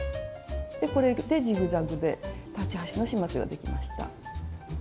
これでジグザグで裁ち端の始末ができました。